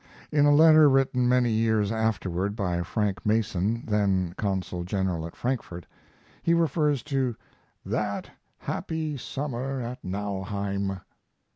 In a letter written many years afterward by Frank Mason, then consul general at Frankfort, he refers to "that happy summer at Nauheim."